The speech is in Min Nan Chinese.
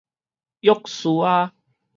約書亞